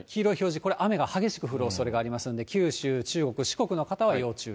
これ、雨が激しく降るおそれがありますんで、九州、中国、四国の方は要注意。